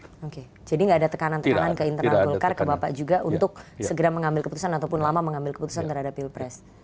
oke jadi nggak ada tekanan tekanan ke internal golkar ke bapak juga untuk segera mengambil keputusan ataupun lama mengambil keputusan terhadap pilpres